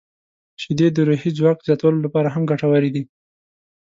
• شیدې د روحي ځواک زیاتولو لپاره هم ګټورې دي.